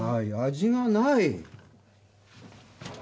味がない。